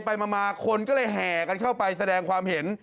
ไปมาคนก็เลยแห่กันเข้าไปแสดงความเห็น